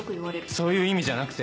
そういう意味じゃなくて。